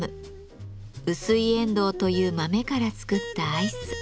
ウスイエンドウという豆から作ったアイス。